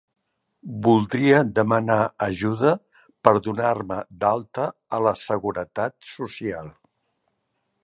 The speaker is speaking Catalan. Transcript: Voldria demanar ajuda per donar-me d'alta a la seguretat social.